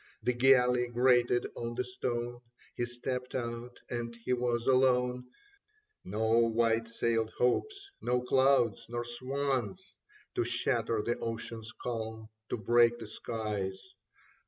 The galley grated on the stone ; He stepped out — and was alone : No white sailed hopes, no clouds, nor swans To shatter the ocean's calm, to break the sky's.